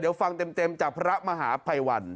เดี๋ยวฟังเต็มจากพระมหาภัยวัน